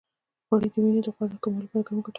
غوړې د وینې د غوړ د کمولو لپاره هم ګټورې دي.